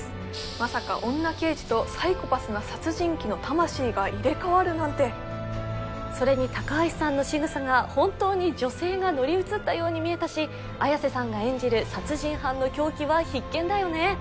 まさか女刑事とサイコパスな殺人鬼の魂が入れ替わるなんてそれに高橋さんのしぐさが本当に女性が乗り移ったように見えたし綾瀬さんが演じる殺人犯の狂気は必見だよね